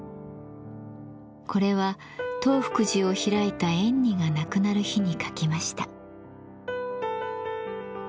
これは東福寺を開いた円爾が亡くなる日に書きました。